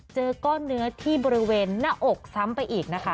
เจอก้อนเนื้อที่บริเวณหน้าอกซ้ำไปอีกนะคะ